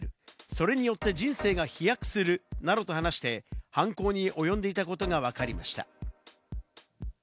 それによって人生が飛躍するなどと話して犯行に及んでいたことがわかりました。